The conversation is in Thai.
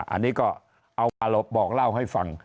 อันนี้ก็เอามาบอกเล่าให้ฟัง